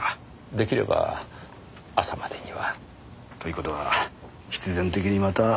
できれば朝までには。という事は必然的にまた徹夜ですな。